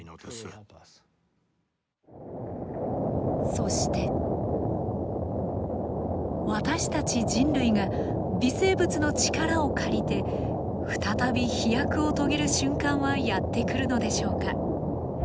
そして私たち人類が微生物の力を借りて再び飛躍をとげる瞬間はやって来るのでしょうか。